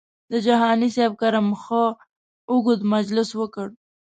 د جهاني صاحب کره مو ښه اوږد مجلس وکړ.